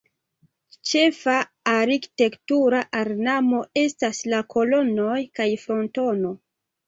Ĉefa arkitektura ornamo estas la kolonoj kaj frontono.